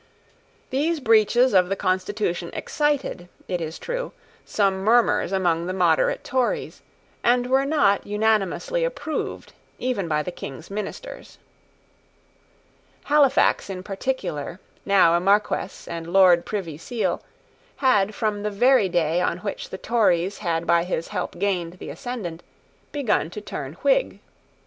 These breaches of the constitution excited, it is true, some murmurs among the moderate Tories, and were not unanimously approved even by the King's ministers. Halifax in particular, now a Marquess and Lord Privy Seal, had, from the very day on which the Tories had by his help gained the ascendant, begun to turn Whig.